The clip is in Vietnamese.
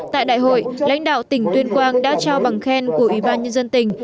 tại đại hội lãnh đạo tỉnh tuyên quang đã trao bằng khen của ủy ban nhân dân tỉnh